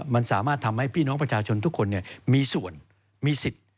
มันสามารถทำให้พี่น้องประชาชนทุกคนมีส่วนมีสิทธิ์